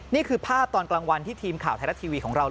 นี่คือภาพตอนกลางวันที่ทีมข่าวไทยรัฐทีวีของเรา